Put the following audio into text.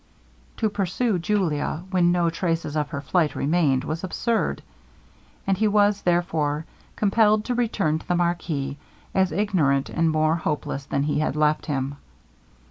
To pursue Julia, when no traces of her flight remained, was absurd; and he was, therefore, compelled to return to the marquis, as ignorant and more hopeless than he had left him.